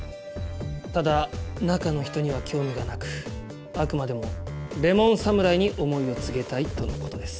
ただ中の人には興味がなくあくまでもレモン侍に思いを告げたいとのことです。